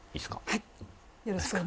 はい。